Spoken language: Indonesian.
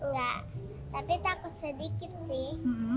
enggak tapi takut sedikit sih